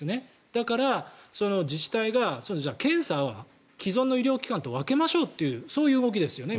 だから自治体が検査は既存の医療機関と分けましょうという動きですよね